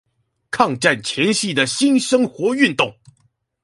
抗戰前夕的新生活運動